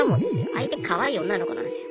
相手かわいい女の子なんですよ。